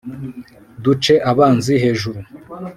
duce abanzi hejuru